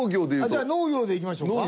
じゃあ農業でいきましょうか。